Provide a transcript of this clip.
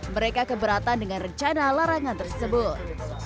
mereka keberatan dengan rencana larangan tersebut